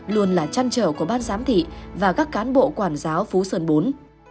luôn là trăn trở của ban giám thị và các cán bộ quản giáo phú sơn bốn